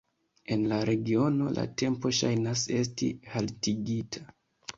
En la regiono la tempo ŝajnas esti haltigita.